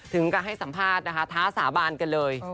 ถึงกับให้สัมภาษณ์นะคะท้าสาบานกันเลย